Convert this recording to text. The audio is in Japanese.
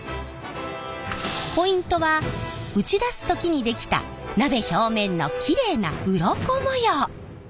ポイントは打ち出す時に出来た鍋表面のきれいなウロコ模様！